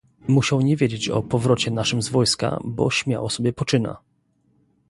"Musiał nie wiedzieć o powrocie naszym z wojska, bo śmiało sobie poczyna."